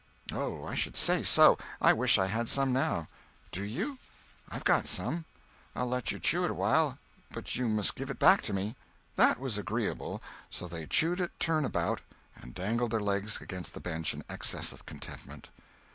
"Oh, I should say so! I wish I had some now." "Do you? I've got some. I'll let you chew it awhile, but you must give it back to me." That was agreeable, so they chewed it turn about, and dangled their legs against the bench in excess of contentment.